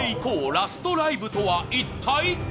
ラストライブとは一体？